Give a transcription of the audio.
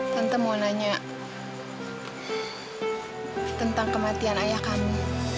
tante mau nanya tentang kematian ayah kami